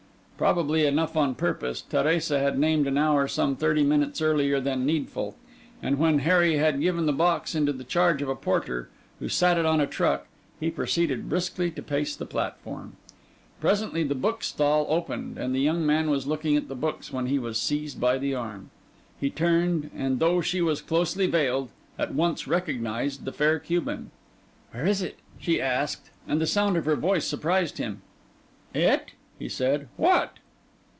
Probably enough on purpose, Teresa had named an hour some thirty minutes earlier than needful; and when Harry had given the box into the charge of a porter, who sat it on a truck, he proceeded briskly to pace the platform. Presently the bookstall opened; and the young man was looking at the books when he was seized by the arm. He turned, and, though she was closely veiled, at once recognised the Fair Cuban. 'Where is it?' she asked; and the sound of her voice surprised him. 'It?' he said. 'What?